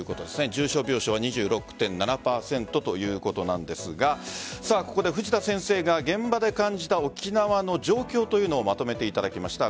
重症病床使用率は２６．７％ということなんですが藤田先生が現場で感じた沖縄の状況というのをまとめていただきました。